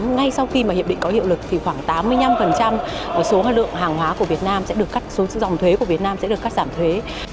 ngay sau khi mà hiệp định có hiệu lực thì khoảng tám mươi năm số lượng hàng hóa của việt nam sẽ được cắt số dòng thuế của việt nam sẽ được cắt giảm thuế